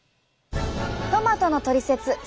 トマトのトリセツ